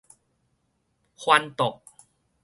翻桌